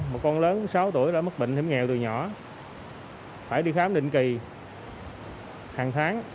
một con lớn sáu tuổi đã mất bệnh hiểm nghèo từ nhỏ phải đi khám định kỳ hàng tháng